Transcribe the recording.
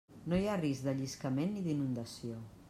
No hi ha risc de lliscament ni d'inundació.